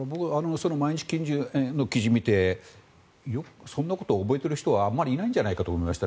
その毎日新聞の記事を見てそんなこと覚えている人はあまりいないんじゃないかと思いました。